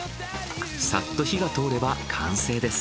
サッと火が通れば完成です。